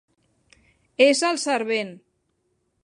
És el servent.